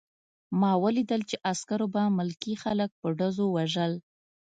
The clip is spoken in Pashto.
ما ولیدل چې عسکرو به ملکي خلک په ډزو وژل